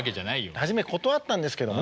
初め断ったんですけどね